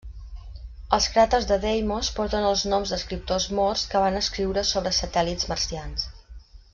Els cràters de Deimos porten els noms d'escriptors morts que van escriure sobre satèl·lits marcians.